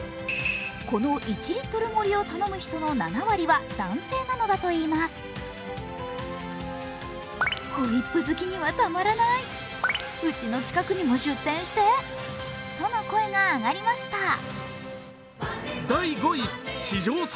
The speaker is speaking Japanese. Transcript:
この１リットル盛りを頼む人の７割は男性なのだといいます。との声が上がりました。